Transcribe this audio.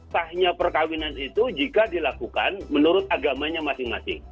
sahnya perkawinan itu jika dilakukan menurut agamanya masing masing